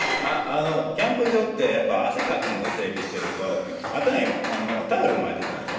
キャンプ場ってやっぱ汗かくので整備してると頭にタオル巻いてたんですよ